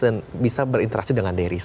dan bisa berinteraksi dengan deris